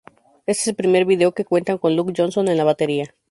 Este es el primer video que cuentan con Luke Johnson en la batería.